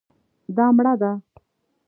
دا مړه ده